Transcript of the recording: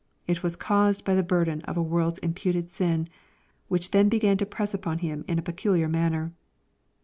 It was caused by the burden of a world's k imputed sin, which then began to press upon Him in a / peculiar manner.